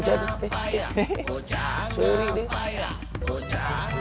ucap aja deh